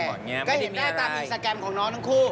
ก็เห็นได้ตามอินสตาแกรมของน้องทั้งคู่